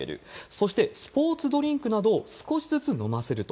そしてスポーツドリンクなどを少しずつ飲ませると。